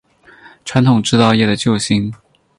传统制造业的救星